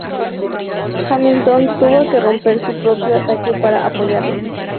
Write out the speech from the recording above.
Hamilton tuvo que romper su propio ataque para apoyarlo.